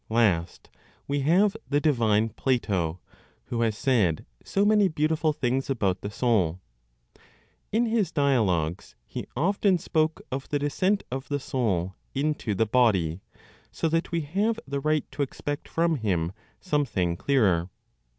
Last, we have the divine Plato, who has said so many beautiful things about the soul. In his dialogues he often spoke of the descent of the soul into the body, so that we have the right to expect from him something clearer.